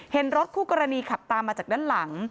เห็นรถคู่กรณีขับตามมาจากด้านหลัง